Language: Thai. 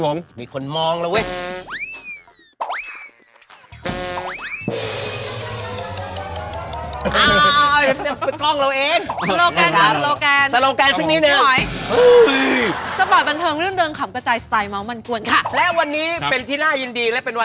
พี่น้องยังอยู่อายุใหญ่นะสามเสียงมาแล้วนะ